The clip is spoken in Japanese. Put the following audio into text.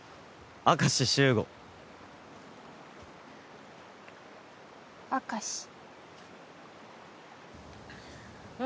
明石周吾明石あ